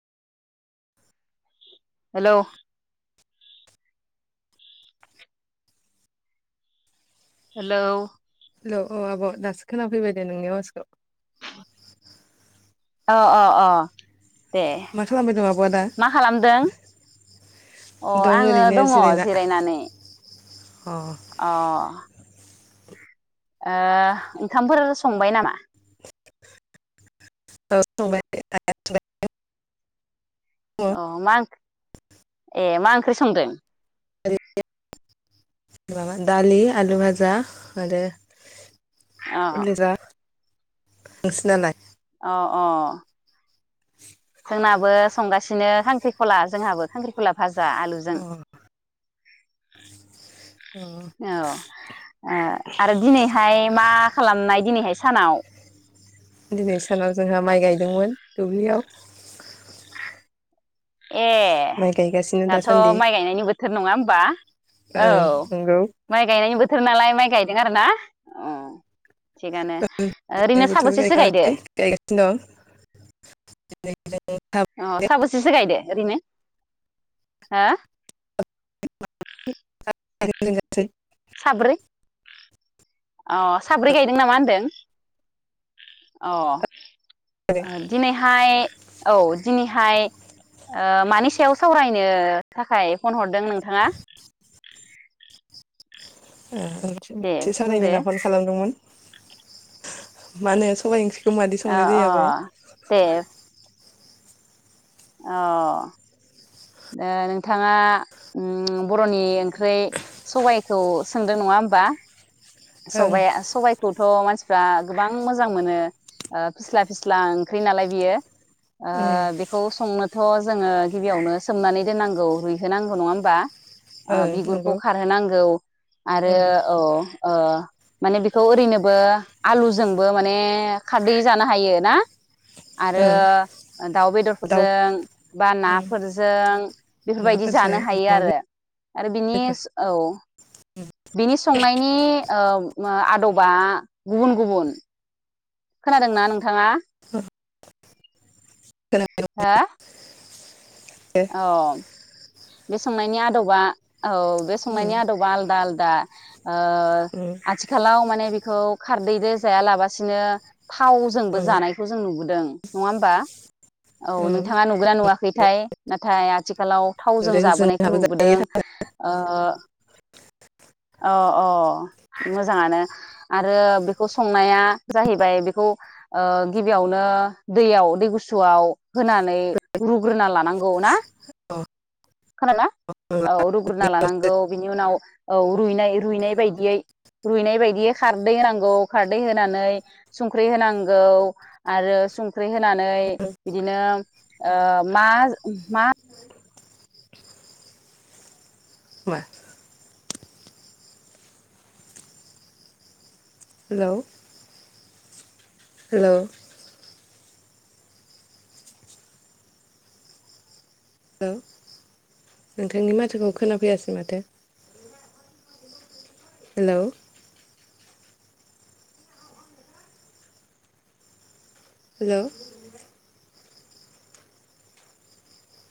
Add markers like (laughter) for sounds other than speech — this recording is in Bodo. हेलौ। हेलौ। हेल' औ आब' दासो खोनाफैबाय दे नोंनि आवासखौ। (inaudible) अ अ अ। ए मा खालामबाय दं आब'आ दा मा खालामदों? अ दं आङो ओरैनो दङ जिरायना जिरायनानै। अ। ओ ओंखामफोर संबाय नामा? औ संबाय (unintelligible) अ मा ओं ए मा ओंख्रि संदों? ओरै (unintelligible) माबा दालि आलु भाजा आरो अ। नोंसोना लाय? अ अ। जोंनाबो संगासिनो खांख्रिखला जोंहाबो खांख्रिखला भाजि। जा आलुजों अ अ औ आरो दिनैहाय मा खालामनाय दिनैहाय। सानाव। दिनै सानाव जोंहा माइ गायदोंमोन दुब्लियाव। ए माइ गायगासिनो दाथ' दासान्दि माइ गायनायनि बोथोर नङा होमबा औ ओं नंगौ माइ गायनायनि बोथ बोथोर नालाय माइ गायदों आरो ना? थिगानो (unintelligible) ओरैनो साबोसेसो गायदो गायगासिनो दं। (unintelligible) अ साबसेसो गायदो ओरैनो? हा। (unintelligible) साब्रै। अ साब्रै गायदों नामा होनदों? अ। दिनैहाय औ दिनैहाय मानि सायाव सावरायनो थाखाय फन हरदों नोंथाङा? ओ मोनसे दे मोनसे सावरायनो बुंदो होनना फन खालामदोंमोन। मा होनो सबाइ ओंख्रि अ अ दे अ। ओ उम नोंथाङा बर'नि ओंख्रि सबायखौ सोंदों नङा होमबा? सबाइआ सबायाइखौ थ' मानसिफ्रा गोबां मोजां मोनो फिस्ला फिस्ला ओंख्रि नालाय बियो ओ ओं बेखौ संनो थ' जोङो गिबियावनो सोमनानै दोननांगौ रुइहोनांगौ नङा होमबा। ओं बिगुरखौ नंगौ खारहोनांगौ औ आरो अ ओ माने बेखौ ओरैनोबो आलुजोंबो माने खारदै जानो हायो ना। आरो ओं दाउ दाउ बेदरफोरजों बा ना उम फोरजों जों बेफोरबायदि नाफोरजों जानो हायो अमा आरो आरो बिनि बेदर औ। बिनि संनायनि ओ आदबा गुबुन गुबुन। खोनादोंना नोंथाङा? ह हो (unintelligible) औ। बे संनायनि आदबा औ बे संनायनि आदबा आलदा आलदा। आ आथिखालाव माने खौ खारदै रो जाया लाबासिनो थावजोंबो जानायखौ जों नुबोदों। दों नङा होमबा। औ नोंथाङा नुगोनना नुवाखैथाय। (unintelligible) आथिखालाव थावजों जाबोनायखौ जोंहाबो जायो नुबोदों ओ अ अ मोजाङानो। आरो बेखौ संनाया जाहैबाय बेखौ ओ गिबियावनो दैयाव दै गुसुआव होनानै रुग्रो औ ना खोनादोंना औ रुग्रोना लानांगौ बिनि उनाव औ रुइनाय रुइनाय बायदियै रुइनाय बायदियै खारदै होनांगौ खारदै होनानै संख्रि होनांगौ आरो सुं ख्रै होनानै बिदिनो ओ मा मा मा हेलौ हेलौ ओ नोंथांनि माथोखौ खोनाफैयासै माथो हेल' हेल'